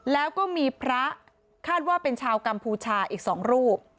แล้วก็มีพระคาดว่าเป็นชาวกัมพูชาอีก๒รูป